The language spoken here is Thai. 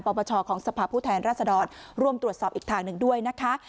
ปปชของสภาพผู้แทนรัศดรร่วมตรวจสอบอีกทางหนึ่งด้วยนะคะ